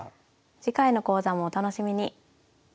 次回の講座もお楽しみに。